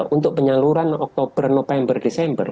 untuk penyaluran oktober november desember